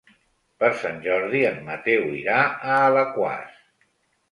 Per Sant Jordi en Mateu irà a Alaquàs.